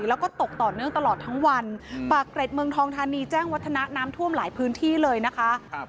แล้วก็ตกต่อเนื่องตลอดทั้งวันปากเกร็ดเมืองทองทานีแจ้งวัฒนะน้ำท่วมหลายพื้นที่เลยนะคะ